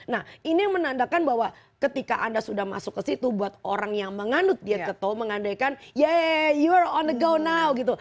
nah ini yang menandakan bahwa ketika anda sudah masuk ke situ buat orang yang menganut diet ketol mengandaikan year on the go now gitu